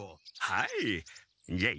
はい！